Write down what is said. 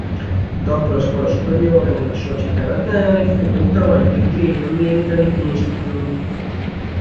Dopo la scuola superiore nella sua città natale, frequentò il Virginia Military Institute.